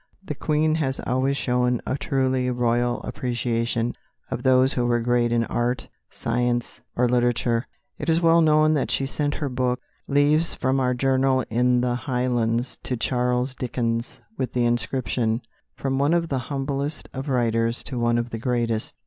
The Queen has always shown a truly royal appreciation of those who were great in art, science, or literature. It is well known that she sent her book, Leaves from our Journal in the Highlands, to Charles Dickens, with the inscription, "From one of the humblest of writers to one of the greatest."